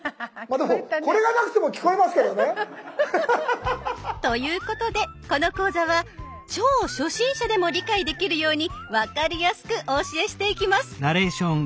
でもこれがなくても聞こえますけどね。ということでこの講座は超初心者でも理解できるように分かりやすくお教えしていきます。